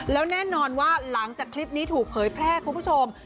แล้วแน่นอนว่าหลังจากคลิปนี้ถูกเผยแพร่คุณผู้ชม